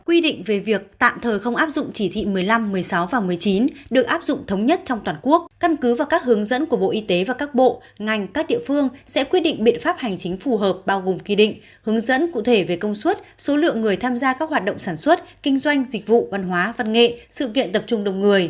quy định về việc tạm thời không áp dụng chỉ thị một mươi năm một mươi sáu và một mươi chín được áp dụng thống nhất trong toàn quốc căn cứ vào các hướng dẫn của bộ y tế và các bộ ngành các địa phương sẽ quyết định biện pháp hành chính phù hợp bao gồm quy định hướng dẫn cụ thể về công suất số lượng người tham gia các hoạt động sản xuất kinh doanh dịch vụ văn hóa văn nghệ sự kiện tập trung đông người